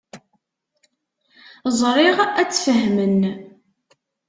Ẓriɣ ad tt-fehmen.